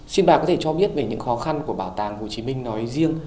xin bà có thể cho biết về những khó khăn của bảo tàng hồ chí minh nói riêng